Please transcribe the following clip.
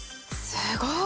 すごい！